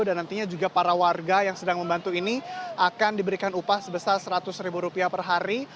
dan nantinya juga para warga yang sedang membantu ini akan diberikan upah sebesar seratus ribu rupiah per hari